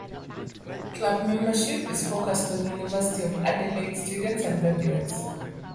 Club membership is focused on University of Adelaide students and graduates.